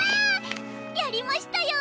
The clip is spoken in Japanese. やりましたよ！